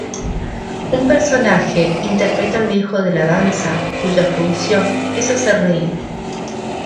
Un personaje interpreta al viejo de la danza, cuya función es hacer reír.